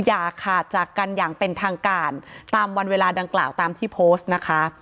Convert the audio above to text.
อย่าขาดจากกันอย่างเป็นทางการตามวันเวลาดังกล่าวตามที่โพสต์นะคะ